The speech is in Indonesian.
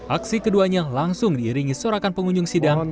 aksi keduanya langsung diiringi sorakan pengunjung sidang